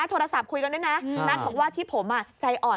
โทรศัพท์คุยกันด้วยนะนัทบอกว่าที่ผมใจอ่อน